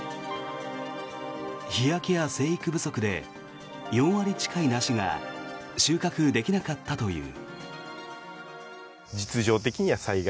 日焼けや生育不足で４割近い梨が収穫できなかったという。